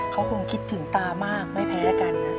เขาคงคิดถึงตามากไม่แพ้กันนะ